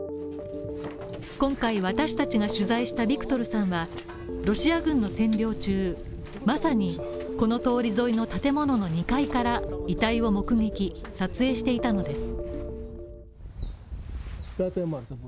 今回私たちが取材したビクトルさんはロシア軍の占領中、まさにこの通り沿いの建物の２階から遺体を目撃・撮影していたのです。